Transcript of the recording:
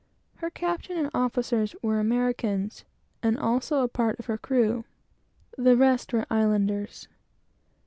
Her captain and officers were Americans, and also a part of her crew; the rest were Islanders.